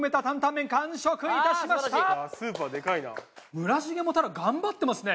村重も頑張ってますね。